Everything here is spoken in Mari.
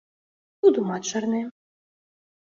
— Тудымат шарнем!